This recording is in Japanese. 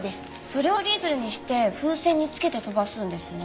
それを折り鶴にして風船につけて飛ばすんですね。